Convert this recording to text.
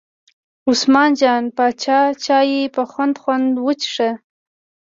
عثمان جان پاچا چای په خوند خوند وڅښه.